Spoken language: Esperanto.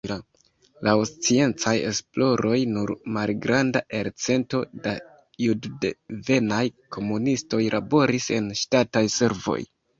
Laŭ sciencaj esploroj nur malgranda elcento da juddevenaj komunistoj laboris en ŝtataj servoj.